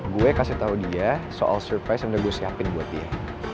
gue kasih tau dia soal surprise yang udah gue siapin buat dia